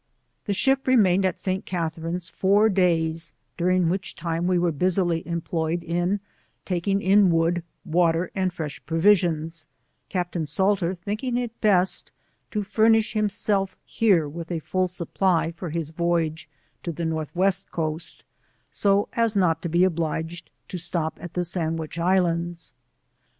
The ship remained at St. Catherine's four days, during which time, we were busily employed in taking ia wood, water, and fresh provisions, Captain Salter thinking it best to furnish himself here with a full supply for his voyage to the North West coast, so as not to be obliged to stop at the Sandwich Islands.